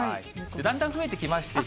だんだん増えてきまして。